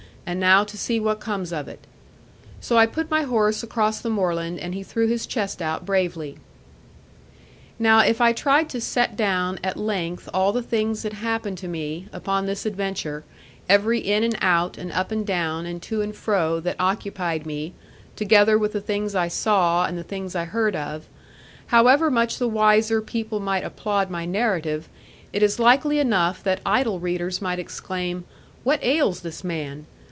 And now to see what comes of it.' So I put my horse across the moorland; and he threw his chest out bravely. Now if I tried to set down at length all the things that happened to me, upon this adventure, every in and out, and up and down, and to and fro, that occupied me, together with the things I saw, and the things I heard of, however much the wiser people might applaud my narrative, it is likely enough that idle readers might exclaim, 'What ails this man?